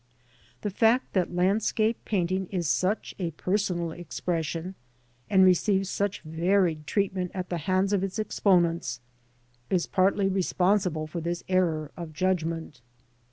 The fact that landscape painting is such a personal expression, and receives such varied treatment at the hands of its exponents, is partly responsible for this error of judgment PREFACE.